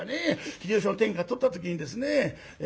秀吉が天下取った時にですね